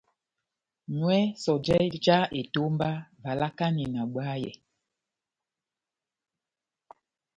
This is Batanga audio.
Nywɛ sɔjɛ já etomba, valakani na bwayɛ.